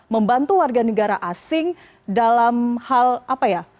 membantu warga negara asing dalam hal apa ya